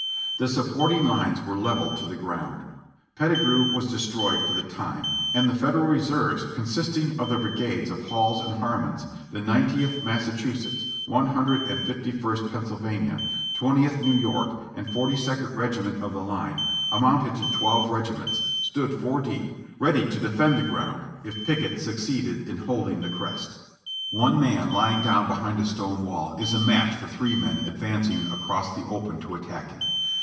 The supporting lines were leveled to the ground. Pettigrew was destroyed for the time, and the Federal reserves, consisting of the brigades of Hall's and Harman's, the Nineteenth Massachusetts, One Hun dred and Fifty first Pennsylvania, Twentieth New York, and Forty second Regiment of the line, amounting to twelve regiments, stood four deep, ready to defend the ground if Pickett succeeded in holdino the crest. GETTYSBURG 415 One man lying down behind a stone wall is a match for three men advancing across the open to attack him.